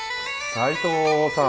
斎藤さん。